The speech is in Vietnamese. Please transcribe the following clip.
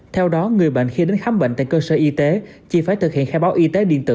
theo đó người bệnh khi đến khám bệnh tại cơ sở y tế chỉ phải thực hiện khai báo y tế điện tử